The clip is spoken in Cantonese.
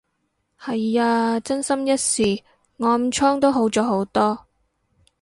係啊，真心一試，我暗瘡都好咗好多